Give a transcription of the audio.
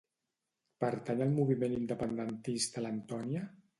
Pertany al moviment independentista l'Antonia?